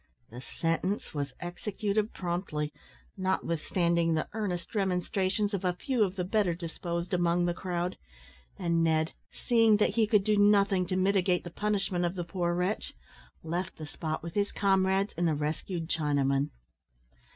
The sentence was executed promptly, notwithstanding the earnest remonstrances of a few of the better disposed among the crowd: and Ned, seeing that he could do nothing to mitigate the punishment of the poor wretch, left the spot with his comrades and the rescued Chinaman.